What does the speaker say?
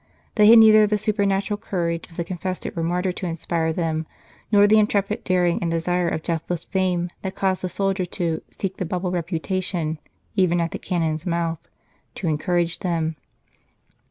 They had neither the supernatural courage of the con fessor or martyr to inspire them, nor the intrepid daring and desire of deathless fame that causes the soldier to "seek the bubble reputation even at the cannon s mouth," to encourage them.